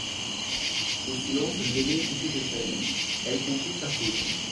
Au silence gêné qui s'était fait, elle comprit sa faute.